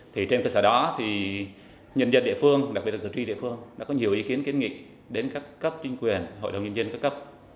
thì trên cơ sở đó thì nhân dân địa phương đặc biệt là cử tri địa phương đã có nhiều ý kiến kiến nghị đến các cấp chính quyền hội đồng nhân dân các cấp